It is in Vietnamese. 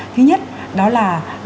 thứ nhất đó là